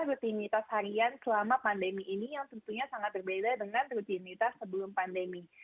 rutinitas harian selama pandemi ini yang tentunya sangat berbeda dengan rutinitas sebelum pandemi